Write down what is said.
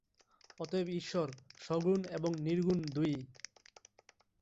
অতএব ঈশ্বর সগুণ এবং নির্গুণ দুই-ই।